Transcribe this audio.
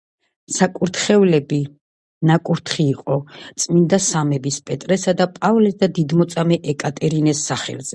საკურთხევლები ნაკურთხი იყო წმინდა სამების, პეტრესა და პავლეს და დიდმოწამე ეკატერინეს სახელზე.